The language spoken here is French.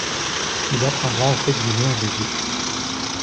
Il apprendra à s'exiler en Belgique.